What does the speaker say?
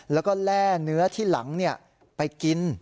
แล้วก็แร่เนื้อที่หลังไปกิน